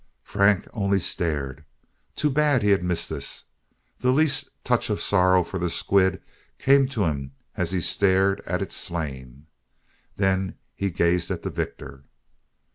Frank only stared. Too bad he had missed this. The least touch of sorrow for the squid came to him as he stared at it slain. Then he gazed at the victor.